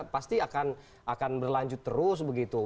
pasti akan berlanjut terus begitu